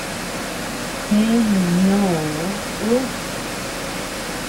Jee nunñoo uu.